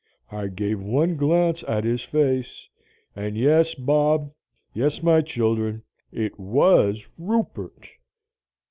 I gave one glance at his face and yes, Bob yes, my children it WAS Rupert.